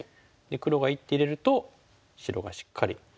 黒が一手入れると白がしっかり打って。